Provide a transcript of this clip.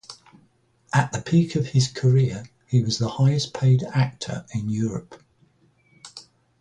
At the peak of his career, he was the highest-paid actor in Europe.